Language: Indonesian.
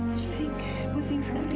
pusing pusing sekali